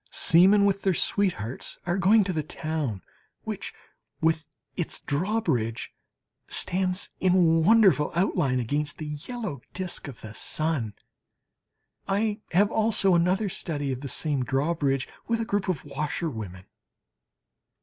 Seamen with their sweethearts are going to the town, which, with its drawbridge, stands in wonderful outline against the yellow disc of the sun. I have also another study of the same drawbridge, with a group of washerwomen.